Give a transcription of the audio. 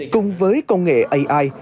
cùng với công nghệ ai